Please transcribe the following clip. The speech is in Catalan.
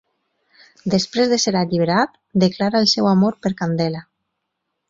Després de ser alliberat, declara el seu amor per Candela.